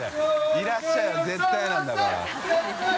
いらっしゃい」は絶対なんだから。